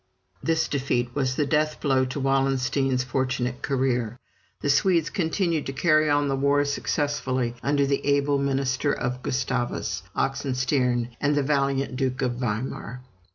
This defeat was the death blow to Wallenstein's fortunate career. The Swedes continued to carry on the war successfully under the able minister of Gustavus, Oxenstiern, and the valiant Duke of Weimar.